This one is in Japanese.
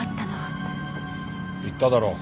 言っただろ。